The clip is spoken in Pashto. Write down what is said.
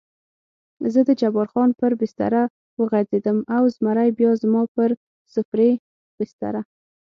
زه د جبار خان پر بستره وغځېدم او زمری بیا زما پر سفرۍ بستره.